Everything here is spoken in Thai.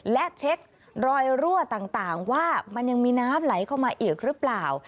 และเช็ครอยรั่วต่างว่ามันยังมีน้ำไหลเข้ามาอีกหรือเปล่า